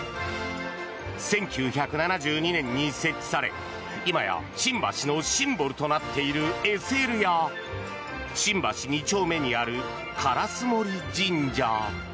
１９７２年に設置され今や新橋のシンボルとなっているＳＬや新橋２丁目にある烏森神社